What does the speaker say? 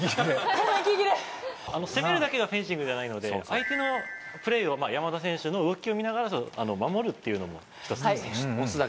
こんな息切れ攻めるだけがフェンシングじゃないので相手のプレーを山田選手の動きを見ながら守るっていうのも一つですね